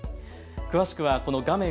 詳しくはこの画面